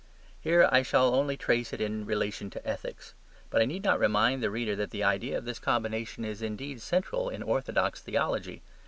Here I shall only trace it in relation to ethics. But I need not remind the reader that the idea of this combination is indeed central in orthodox theology.